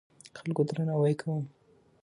د خلکو درناوی کوم.